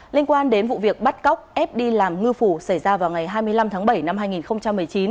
liên quan đến vụ việc bắt cóc ép đi làm ngư phủ xảy ra vào ngày hai mươi năm tháng bảy năm hai nghìn một mươi chín